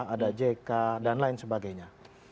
ada jk dan lain sebagainya